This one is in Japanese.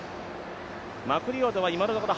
マクリオドは今のところ